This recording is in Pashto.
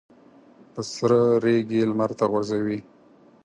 په سره ریګ یې لمر ته غورځوي.